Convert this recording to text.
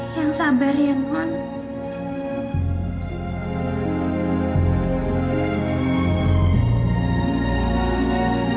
yang sabar ya mbak